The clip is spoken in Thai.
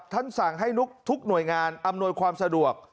สั่งให้ทุกหน่วยงานอำนวยความสะดวก